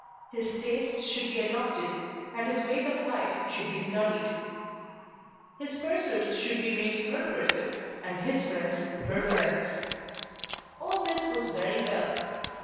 His tastes should be adopted, and his ways of life should be studied. His pursuits should be made her pursuits, and his friends her friends. All this was very well.